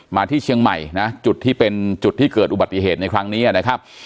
ที่เชียงใหม่นะจุดที่เป็นจุดที่เกิดอุบัติเหตุในครั้งนี้นะครับ